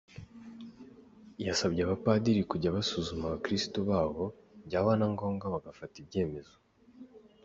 Yasabye abapadiri kujya basuzuma abakiristu babo, byaba na ngombwa bagafata ibyemezo.